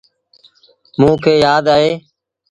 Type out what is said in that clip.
موݩ کي يآدا اهيݩ۔